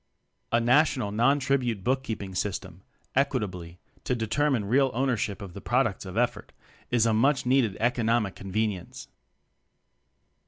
A national (non tribute) bookkeep ing system equitably to determine real ownership of the products of effort, is a much needed economic conven ience.